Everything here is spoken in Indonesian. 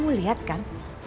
kau lihat kan